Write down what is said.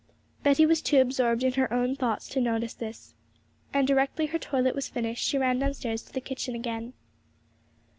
Betty was too absorbed in her own thoughts to notice this; and, directly her toilet was finished, she ran downstairs to the kitchen again.